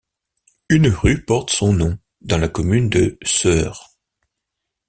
Une rue porte son nom dans la commune de Seurre.